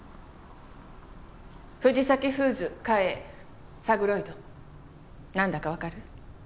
藤崎フーズ嘉永サグロイドなんだかわかる？